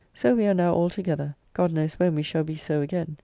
So we are now all together, God knows when we shall be so again.